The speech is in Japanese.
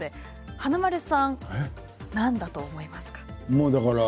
華丸さん、何だと思いますか？